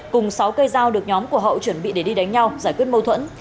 cùng sáu cây dao được nhóm của hậu chuẩn bị để đi đánh nhau giải quyết mâu thuẫn